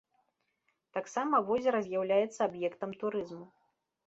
Таксама возера з'яўляецца аб'ектам турызму.